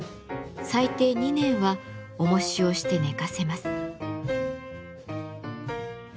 最低２年はおもしをして寝かせます。